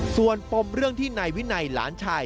ส่วนปมเรื่องที่นายวินัยหลานชาย